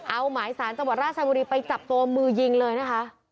เอาหมายสารจังหวัดราชบุรีไปจับตัวมือยิงเลยนะคะ